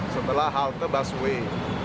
setelah halte busway